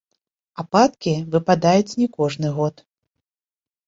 Ападкі выпадаюць не кожны год.